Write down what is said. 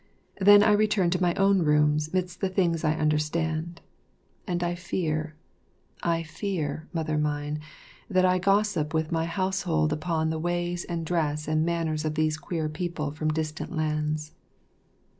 Then I return to my own rooms midst the things I understand; and I fear, I fear, Mother mine, that I gossip with my household upon the ways and dress and manners of these queer people from distant lands.